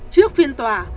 trước phiên tòa